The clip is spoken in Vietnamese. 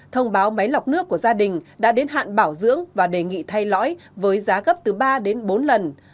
thông báo máy lọc nước của gia đình đã đến hạn bảo dưỡng và đề nghị thay lõi với giá gấp từ ba đến bốn lần